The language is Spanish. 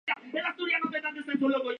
Los guantes, zapatos y calcetines son negros.